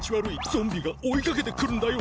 ゾンビがおいかけてくるんだよ。